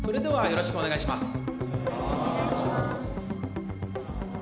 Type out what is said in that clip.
よろしくお願いします